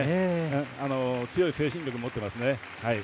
強い精神力を持っていますね。